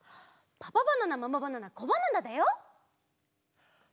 パパバナナママバナナコバナナ！